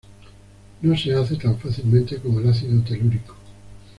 No se hace tan fácilmente como el ácido telúrico.